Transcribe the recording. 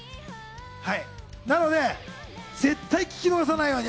なので、絶対聞き逃さないように。